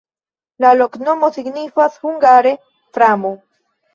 La loknomo signifas hungare: framo.